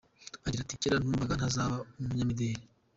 Agira ati “Kera numvaga ntazaba umunyamideri.